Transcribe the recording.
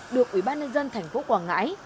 được ủy ban nhân dân thành phố quảng ngãi